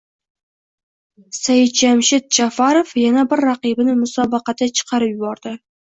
Saidjamshid Ja’farov yana bir raqibini musobaqadan chiqarib yubording